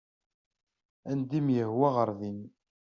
Anda i am-yehwa ɣer din.